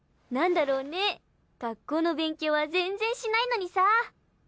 なんだろうね学校の勉強は全然しないのにさぁ。